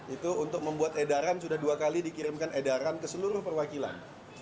itu untuk membuat edaran sudah dua kali dikirimkan edaran ke seluruh perwakilan